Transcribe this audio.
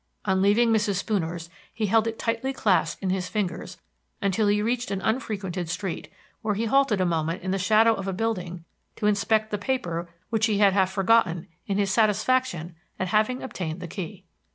On leaving Mrs. Spooner's he held it tightly clasped in his fingers until he reached an unfrequented street, where he halted a moment in the shadow of a building to inspect the paper, which he had half forgotten in his satisfaction at having obtained the key.